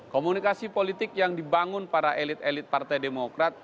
komunikasi politik yang dibangun para elit elit partai demokrat